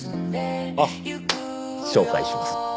あっ紹介します。